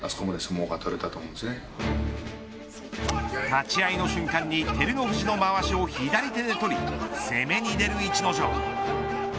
立ち会いの瞬間に照ノ富士のまわしを左手で取り、攻めに出る逸ノ城。